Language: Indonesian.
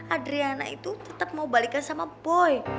adriana itu tetep mau balikin sama boy